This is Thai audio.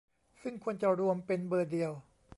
ซึ่งควรจะรวมเป็นเบอร์เดียว